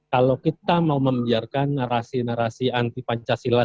kalau kita mau membiarkan narasi narasi anti pancasila